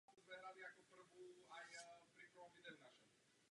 Užívání a vypouštění spojovacích výrazů.